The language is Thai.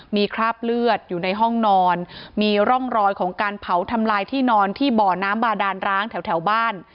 มีคราบเลือดอยู่ในห้องนอนมีร่องรอยของการเผาทำลายที่นอนที่บ่อน้ำบาดานร้างแถวบ้าน